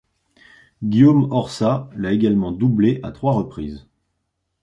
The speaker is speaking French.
Guillaume Orsat l'a également doublé à trois reprises.